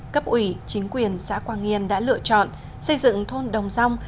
cấp ủy chính quyền xã quang yên đã lựa chọn xây dựng thôn đồng rong